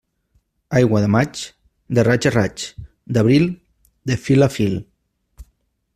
Aigua de maig, de raig a raig; d'abril, de fil a fil.